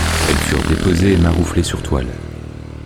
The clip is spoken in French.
Elles furent déposées et marouflées sur toile.